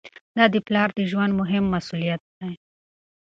دا د پلار د ژوند مهم مسؤلیت دی.